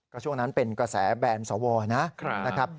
ก็ช่วงนั้นเป็นกระแสแบนสวนะครับ